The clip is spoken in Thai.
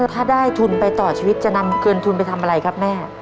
ถ้าได้ทุนไปต่อชีวิตจะนำเงินทุนไปทำอะไรครับแม่